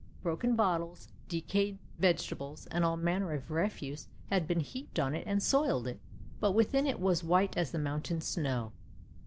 Broken bottles, decayed vegetables, and all manner of refuse, had been heaped on it and soiled it, but within it was white as the mountain snow.